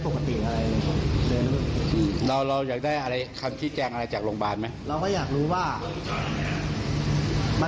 เพราะว่าเค้าไม่ชี้แกล้งให้เราเลยว่า